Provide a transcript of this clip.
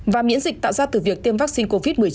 và miễn dịch tạo ra từ việc tiêm vaccine covid một mươi chín